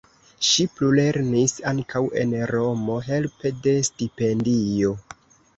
Ŝi plulernis ankaŭ en Romo helpe de stipendio.